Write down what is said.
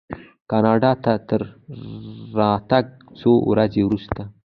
کاناډا ته تر راتګ څو ورځې وروسته.